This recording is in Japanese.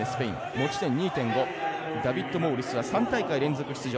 持ち点２．５ダビッド・モウリスは２大会連続の出場。